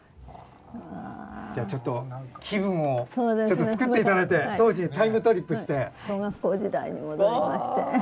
じゃあちょっと気分を作っていただいて当時にタイムトリップして。